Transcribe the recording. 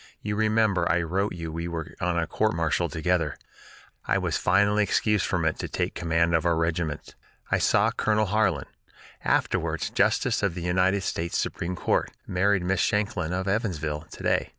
You remember I wrote you we were on a court martial together; I was finally excused from it to take command of our regiment. I saw Colonel Harlan [afterwards Justice of the United States Supreme Court; married Miss Shanklin, of Evansville] to day.